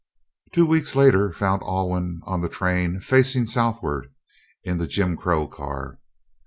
Two weeks later found Alwyn on the train facing Southward in the Jim Crow car.